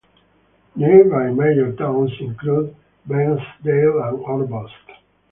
Nearby major towns include Bairnsdale and Orbost.